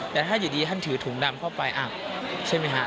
แต่ถ้าอยู่ดีท่านถือถุงดำเข้าไปใช่ไหมฮะ